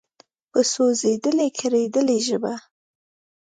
په سوزیدلي، کړیدلي ژبه